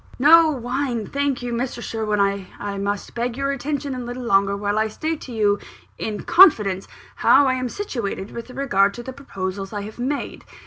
"No wine, thank you, Mr. Sherwin. I must beg your attention a little longer, while I state to you, in confidence, how I am situated with regard to the proposals I have made.